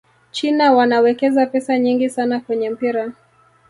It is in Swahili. china wanawekeza pesa nyingi sana kwenye mpira